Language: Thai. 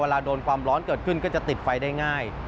โดนความร้อนเกิดขึ้นก็จะติดไฟได้ง่าย